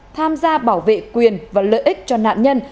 tham gia bảo vệ quyền và lợi ích cho nạn nhân